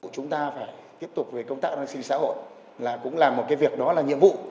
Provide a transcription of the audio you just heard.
chúng ta phải tiếp tục về công tác an sinh xã hội là cũng làm một cái việc đó là nhiệm vụ